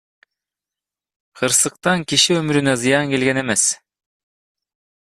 Кырсыктан киши өмүрүнө зыян келген эмес.